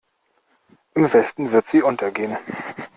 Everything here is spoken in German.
Im Westen wird sie untergehen.